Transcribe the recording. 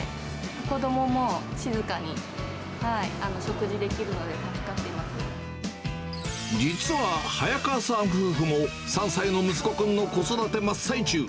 子どもも静かに食事できるので、実は早川さん夫婦も、３歳の息子くんの子育て真っ最中。